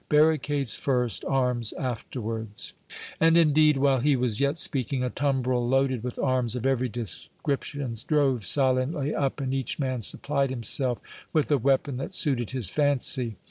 "Barricades first, arms afterwards!" And, indeed, while he was yet speaking, a tumbrel loaded with arms of every description drove silently up, and each man supplied himself with a weapon that suited his fancy.